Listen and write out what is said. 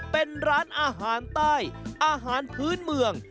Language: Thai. เป็นร้านอาหารใต้อาหารพื้นเมือง